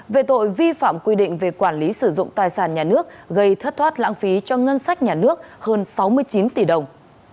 về tội vi phạm quy định về quản lý sử dụng tài sản nhà nước gây thất thoát lãng phí cho ngân sách nhà nước hơn sáu mươi chín tỷ đồng